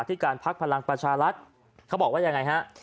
การพักพลังประชารัฐเขาบอกว่ายังไงฮะ